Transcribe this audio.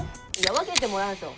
分けてもらうんですよ。